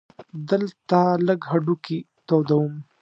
دلته لږ هډوکي تودوم.